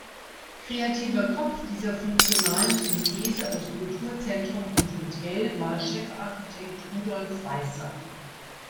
Kreativer Kopf dieser funktionalen Synthese aus Kulturzentrum und Hotel war Chefarchitekt Rudolf Weißer.